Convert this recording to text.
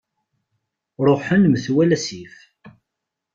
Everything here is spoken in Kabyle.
Ṛuḥen metwal asif.